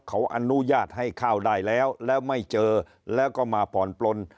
เขาอนุญาตให้ข้าวได้แล้วแล้วไม่เจอแล้วก็มาผ่อนปลน